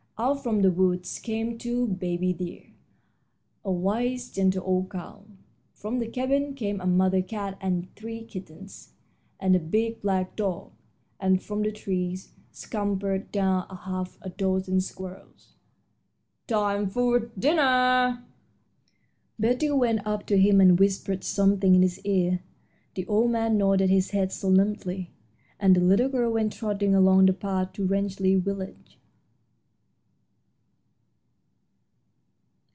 Out from the woods came two baby deer, a wise, gentle old cow; from the cabin came a mother cat and three kittens and a big black dog; and from the trees scampered down a half a dozen squirrels. "Time for dinner." Betty went up to him and whispered something in his ear. The old man nodded his head solemnly, and the little girl went trotting along the path to Rangeley Village.